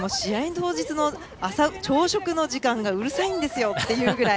当日の朝食の時間がうるさいんですよって言うぐらい